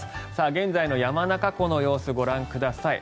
現在の山中湖の様子ご覧ください。